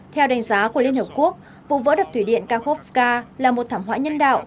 theo đánh giá của liên hợp quốc vụ vỡ đập thủy điện kahovca là một thảm họa nhân đạo